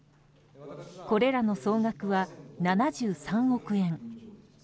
これらの総額は７３億円。